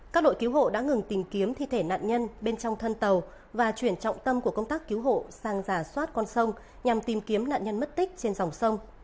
các đội cứu hộ đã ngừng tìm kiếm thi thể nạn nhân bên trong thân tàu và chuyển trọng tâm của công tác cứu hộ sang giả soát con sông nhằm tìm kiếm nạn nhân mất tích trên dòng sông